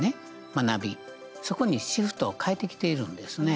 そこにシフトを変えてきているんですね。